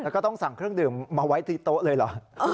แล้วก็ต้องสั่งเครื่องดื่มมาไว้ที่โต๊ะเลยเหรอ